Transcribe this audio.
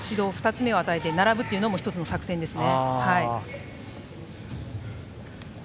２つ目を与えて並ぶというのも１つの作戦です。